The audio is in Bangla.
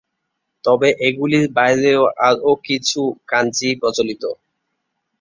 তবে এগুলির বাইরেও আরও বেশ কিছু কাঞ্জি প্রচলিত।